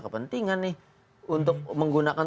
kepentingan nih untuk menggunakan